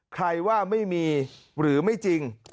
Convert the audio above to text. ใครว่าไม่มีหรือไม่จริง